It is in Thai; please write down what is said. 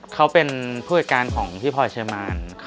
เขาเป็นผู้จัดการของพี่พลอยเชอร์มาน